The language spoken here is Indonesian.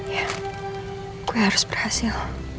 ya aku harus berhasil